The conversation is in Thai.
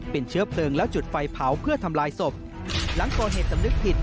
เป็นเชื้อเพลิงแล้วจุดไฟเผาเพื่อทำลายศพหลังก่อเหตุสำนึกผิด